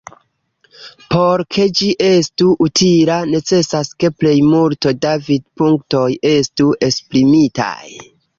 Por ke ĝi estu utila, necesas ke plejmulto da vidpunktoj estu esprimitaj.